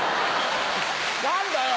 何だよ！